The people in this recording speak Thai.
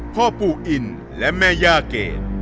พ่อปู่อินและแม่ย่าเกรด